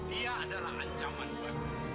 dia adalah ancaman buatmu